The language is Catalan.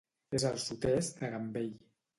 És al sud-est de Gambell.